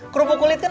kerupuk kulit kan